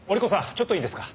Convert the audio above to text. ちょっといいですか？